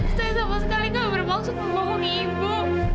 saya sama sekali kau bermaksud membohongi ibu